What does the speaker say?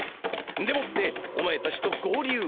んでもってお前たちと合流。